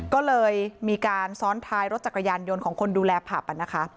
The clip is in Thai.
ก็เลยมีการซ้อนท้ายรถจักรยานยนต์ของคนดูแลผับนะคะ